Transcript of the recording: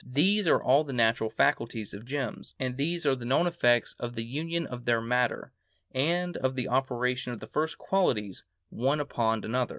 These all are the naturall faculties of gemms, and these are the known effects of the union of their matter, and of the operation of the first qualities one upon another.